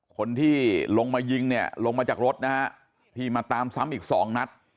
คนที่ลงมายิงเนี่ยลงมาจากรถนะฮะที่มาตามซ้ำอีกสองนัด